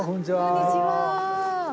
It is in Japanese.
こんにちは。